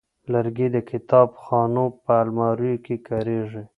لرګی د کتابخانو په الماریو کې کارېږي.